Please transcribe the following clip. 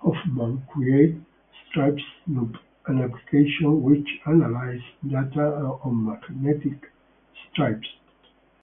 Hoffman created StripeSnoop, an application which analyzes data on magnetic stripes.